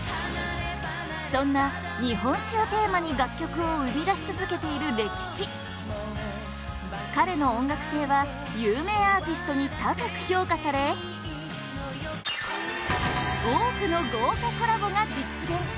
そんな日本史をテーマに楽曲を生み出し続けているレキシ彼の音楽性は有名アーティストに高く評価され多くの豪華コラボが実現！